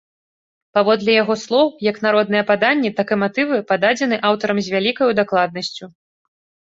Паводле яго слоў, як народныя паданні, так і матывы пададзены аўтарам з вялікаю дакладнасцю.